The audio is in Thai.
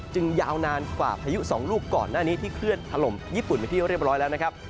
ยาวนานกว่าพายุสองลูกก่อนหน้านี้ที่เคลื่อนถล่มญี่ปุ่นไปที่เรียบร้อยแล้วนะครับ